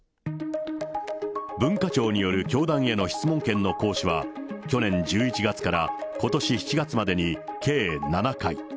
文化庁による教団への質問権の行使は、去年１１月からことし７月までに計７回。